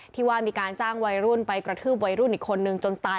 ที่ว่ามีการจ้างวัยรุ่นไปกระทืบวัยรุ่นอีกคนนึงจนตาย